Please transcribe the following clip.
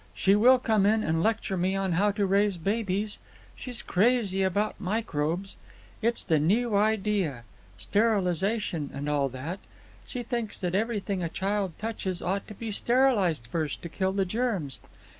"She will come in and lecture me on how to raise babies. She's crazy about microbes. It's the new idea. Sterilization, and all that. She thinks that everything a child touches ought to be sterilized first to kill the germs.